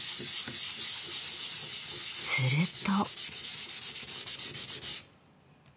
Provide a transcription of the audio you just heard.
すると。